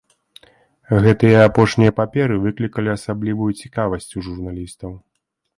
Гэтыя апошнія паперы выклікалі асаблівую цікавасць у журналістаў.